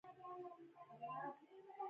کله چې د مزغو د يو خاص کېميکل